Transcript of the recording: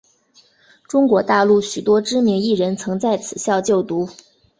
中国大陆许多知名艺人曾在此校就读。